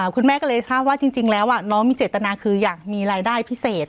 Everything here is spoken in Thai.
คุณแม่ก็เลยทราบว่าจริงแล้วน้องมีเจตนาคืออยากมีรายได้พิเศษ